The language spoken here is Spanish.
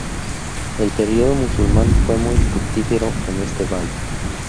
El periodo musulmán fue muy fructífero en este valle.